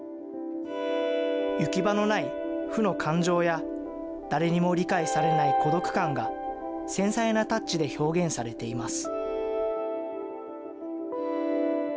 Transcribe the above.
行き場のない負の感情や、誰にも理解されない孤独感が、繊細なタッチで表現されています。